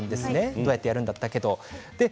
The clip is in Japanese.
どうやってやるんだったっけ？と。